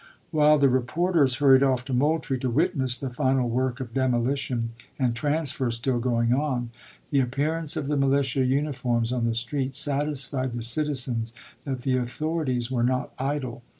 While the reporters hurried off to Moultrie to witness the final work of demolition and trans fer still going on, the appearance of the militia uniforms on the streets satisfied the citizens that the authorities were not idle.